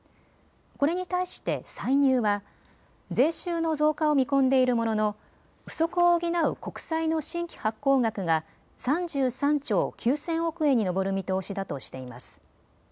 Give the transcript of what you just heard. これに対して歳入は税収の増加を見込んでいるものの不足を補う国債の新規発行額が３３兆９０００億円に上る見通しだとしています。